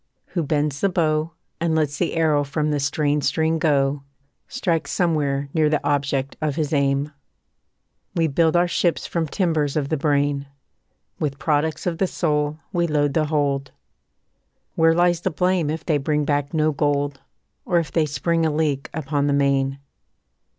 Who bends the bow, And lets the arrow from the strained string go, Strikes somewhere near the object of his aim. We build our ships from timbers of the brain; With products of the soul we load the hold; Where lies the blame if they bring back no gold, Or if they spring a leak upon the main?